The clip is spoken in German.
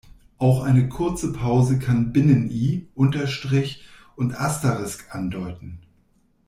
Auch eine kurze Pause kann Binnen-I, Unterstrich und Asterisk andeuten.